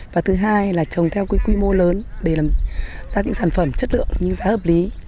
và thứ hai là trồng theo quy mô lớn để làm ra những sản phẩm chất lượng nhưng giá hợp lý